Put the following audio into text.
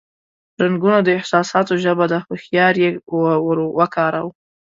رنگونه د احساساتو ژبه ده، هوښیار یې وکاروه.